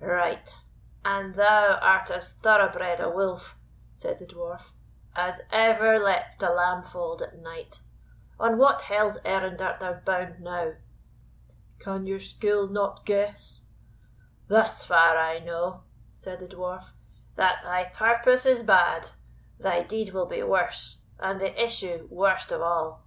"Right; and thou art as thorough bred a wolf," said the Dwarf, "as ever leapt a lamb fold at night. On what hell's errand art thou bound now?" "Can your skill not guess?" "Thus far I know," said the Dwarf, "that thy purpose is bad, thy deed will be worse, and the issue worst of all."